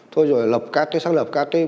thôi rồi xác lập các cái